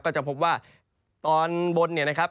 ก็จะพบว่าตอนบนนะครับ